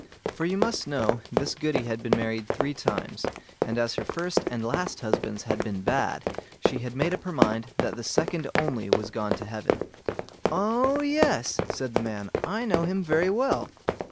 For you must know this Goody had been married three times, and as her first and last husbands had been bad, she had made up her mind that the second only was gone to heaven. "Oh yes", said the man; "I know him very well."